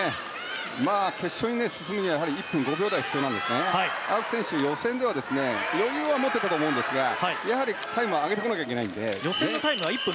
決勝に進むには１分５秒台が必要で青木選手、予選では余裕は持てていたと思うんですがやはりタイムを上げてこなきゃいけないので。